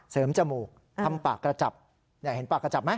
เสริมจมูกทำปากกระจับอยากเห็นปากกระจับไหม